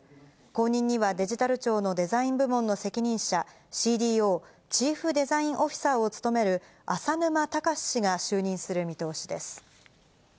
後任にはデジタル庁のデザイン部門の責任者、ＣＤＯ・チーフ・デザイン・オフィサーを務める浅沼尚氏が就任する見込みです。